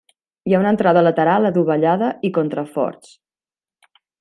Hi ha una entrada lateral adovellada i contraforts.